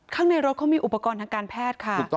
ข้างในรถเขามีอุปกรณ์ทางการแพทย์ค่ะ